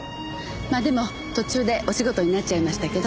まあでも途中でお仕事になっちゃいましたけど。